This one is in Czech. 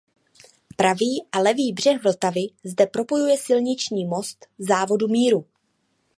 Pravý a levý břeh Vltavy zde propojuje silniční most Závodu míru.